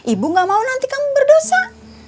ibu gak mau nanti kamu berdosa